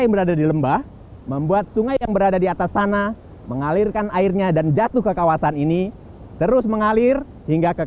yang berada di lembah membuat sungai yang berada di atas sana mengalirkan airnya dan jatuh ke kawasan